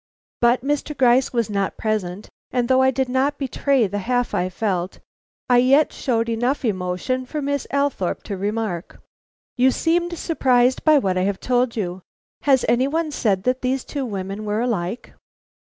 But Mr. Gryce was not present, and though I did not betray the half I felt. I yet showed enough emotion for Miss Althorpe to remark: "You seemed surprised by what I have told you. Has any one said that these two women were alike?"